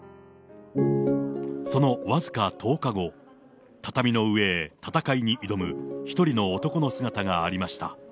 その僅か１０日後、畳の上へ戦いに挑む一人の男の姿がありました。